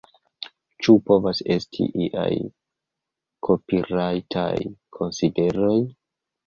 Ĉu povas esti iaj kopirajtaj konsideroj?